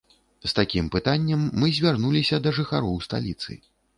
З такім пытаннем мы звярнуліся да жыхароў сталіцы.